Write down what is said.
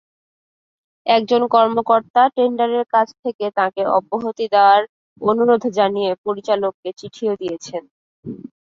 একজন কর্মকর্তা টেন্ডারের কাজ থেকে তাঁকে অব্যাহতি দেওয়ার অনুরোধ জানিয়ে পরিচালককে চিঠিও দিয়েছেন।